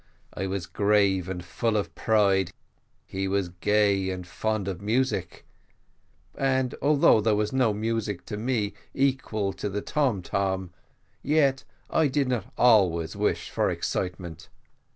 I was grave and full of pride, he was gay and fond of music; and although there was no music to me equal to the tom tom, yet I did not always wish for excitement.